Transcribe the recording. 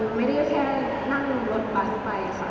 ไม่ได้แค่นั่งรถบัสไปค่ะ